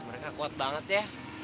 mereka kuat banget ya